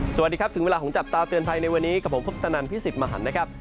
สวัสดีครับถึงเวลาของจับตาเตือนภัยในวันนี้กับผมพุทธนันพิสิทธิ์มหันนะครับ